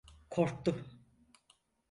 Korktu…